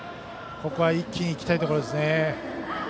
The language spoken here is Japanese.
ここは一気にいきたいところですね。